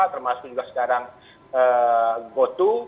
termasuk juga sekarang gotu